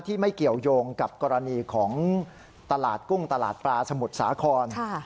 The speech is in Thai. ไม่เกี่ยวยงกับกรณีของตลาดกุ้งตลาดปลาสมุทรสาคร